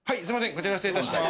こちら失礼いたします。